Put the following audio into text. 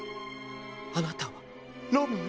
あなたはロミオ？